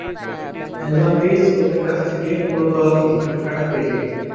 অ্যালবামটি শ্রোতাদের কাছ থেকে মূলত ইতিবাচক সাড়া পেয়েছে।